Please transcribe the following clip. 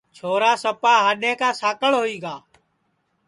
چھورا سپا ہاڈؔیں کا ساکݪ ہوئی گا